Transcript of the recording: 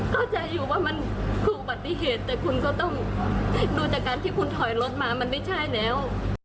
เข้าใจอยู่ว่ามันคืออุบัติเหตุแต่คุณก็ต้องดูจากการที่คุณถอยรถมามันไม่ใช่แล้ว